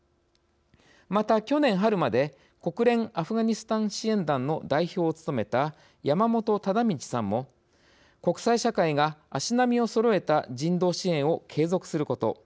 また去年春まで国連アフガニスタン支援団の代表を務めた山本忠通さんも「国際社会が足並みをそろえた人道支援を継続すること。